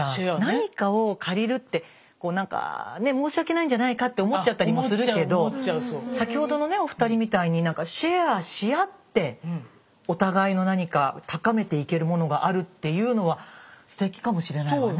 何かを借りるってこうなんかね申し訳ないんじゃないかって思っちゃったりもするけど先ほどのねお二人みたいにシェアし合ってお互いの何か高めていけるものがあるっていうのはステキかもしれないわね。